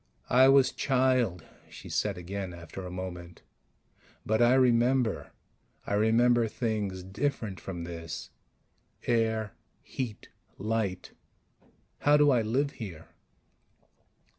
"I was child," she said again after a moment. "But I remember I remember things different from this. Air ... heat ... light ... how do I live here?"